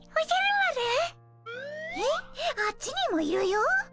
あっちにもいるよ？